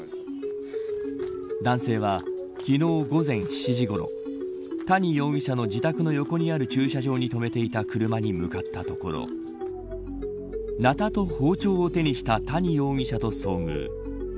男性は昨日、午前７時ごろ谷容疑者の自宅の横にある駐車場に止めていた車に向かったところナタと包丁を手にした谷容疑者と遭遇。